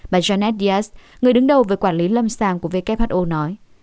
bà jeanette diaz người đứng đầu với quản lý lâm sàng của who nói